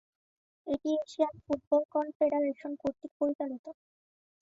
এটি Asian Football Confederation কর্তৃক পরিচালিত।